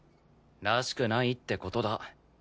らしくないって事だ。